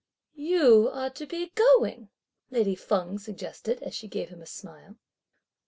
"You ought to be going!" lady Feng suggested, as she gave him a smile.